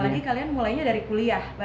apalagi kalian mulainya dari kuliah bareng bareng